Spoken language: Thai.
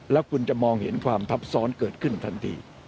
แล้วคุณจะมองเห็นความทับซ้อนเกิดขึ้นทันที